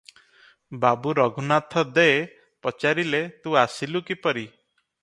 ବାବୁ ରଘୁନାଥ ଦେ ପଚାରିଲେ ତୁ ଆସିଲୁ କିପରି?